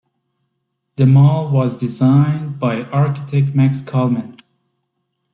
The mall was designed by architect Max Kalman.